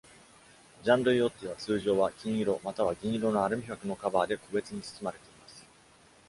ジャンドゥイオッティは、通常は金色または銀色のアルミ箔のカバーで個別に包まれています。